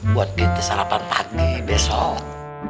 buat kita sarapan pagi besok